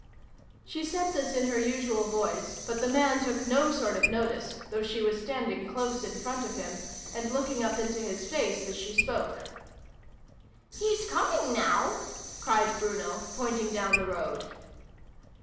She said this in her usual voice, but the man took no sort of notice, though she was standing close in front of him, and looking up into his face as she spoke. v] MATILDA JANE. Hi " He's coming now !" cried Bruno, pointing down the road.